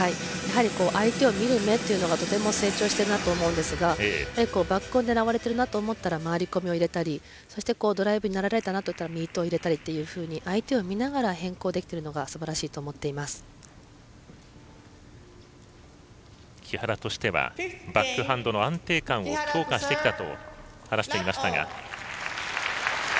相手を見る目というのがとても成長しているなと思うんですがバックを狙われているなと思ったり回り込みを入れたりミートを入れたりというふうに相手を見ながら変更できているのが木原としてはバックハンドの安定感を強化してきたと話していましたが。